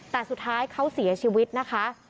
แต่สุดท้ายเขาเสียชีวิตนะคะ